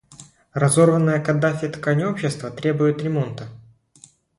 Разорванная Каддафи ткань общества требует ремонта.